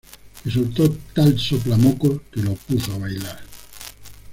Le soltó tal soplamocos que lo puso a bailar